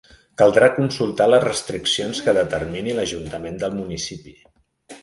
Caldrà consultar les restriccions que determini l'ajuntament del municipi.